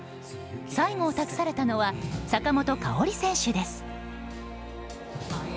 最後を託されたのは坂本花織選手です。